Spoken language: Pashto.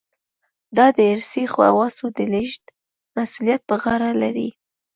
دا د ارثي خواصو د لېږد مسوولیت په غاړه لري.